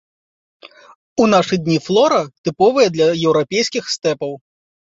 У нашы дні флора тыповая для еўрапейскіх стэпаў.